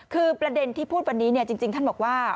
คือประเด็นที่พูดวันนี้จริงท่านบอกว่า